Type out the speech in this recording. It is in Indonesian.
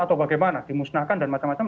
atau bagaimana dimusnahkan dan macam macam